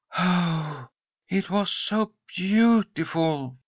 "Oh, it was so beautiful!"